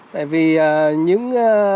tại vì những